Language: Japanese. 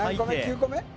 ９個目？